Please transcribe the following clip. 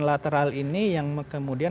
lateral ini yang kemudian